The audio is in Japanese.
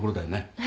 はい。